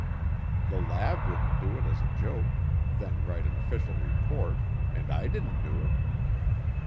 The lab wouldn't do it as a joke, then write an official report, and I didn't do it.